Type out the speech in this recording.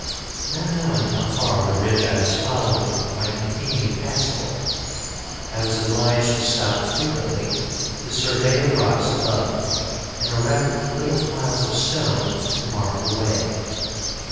Not knowing how far the ridge I was following might continue passable, I was obliged to stop frequently to survey the rocks above, and erect little piles of stone to mark the way.